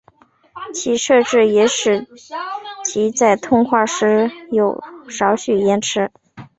其设计也使其在通话时有少许延迟。